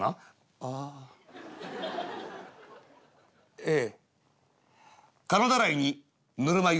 「ああへえ」。